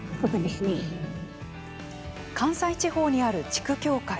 関西地方にある地区教会。